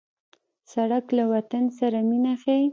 سړک له وطن سره مینه ښيي.